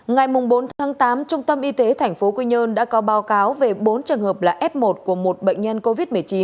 ngày bốn tháng tám trung tâm y tế tp quy nhơn đã có báo cáo về bốn trường hợp là f một của một bệnh nhân covid một mươi chín